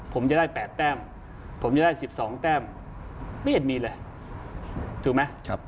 ผมจะได้๘แต้มผมจะได้๑๒แต้มไม่เห็นมีเลยถูกไหม